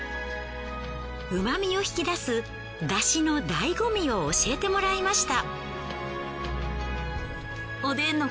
うま味を引き出す出汁のだいご味を教えてもらいました。